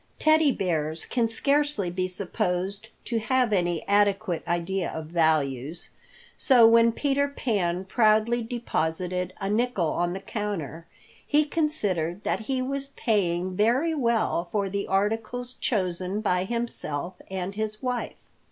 Teddy Bears can scarcely be supposed to have any adequate idea of values, so when Peter Pan proudly deposited a nickel on the counter, he considered that he was paying very well for the articles chosen by himself and his wife.